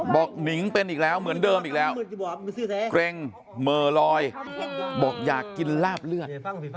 หนิงเป็นอีกแล้วเหมือนเดิมอีกแล้วเกร็งเหม่อลอยบอกอยากกินลาบเลือด